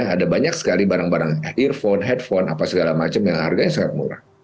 ada banyak sekali barang barang earphone headphone apa segala macam yang harganya sangat murah